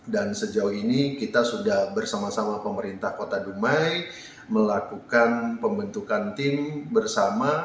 dan sejauh ini kita sudah bersama sama pemerintah kota dumai melakukan pembentukan tim bersama